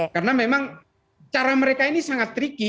karena memang cara mereka ini sangat tricky